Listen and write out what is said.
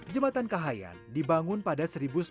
jembatan kahayan dibangun pada